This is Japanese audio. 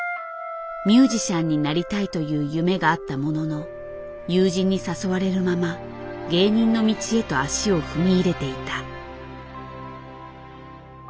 ミュージシャンになりたいという夢があったものの友人に誘われるまま芸人の道へと足を踏み入れていた。